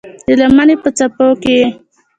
د لمنې په څپو کې یې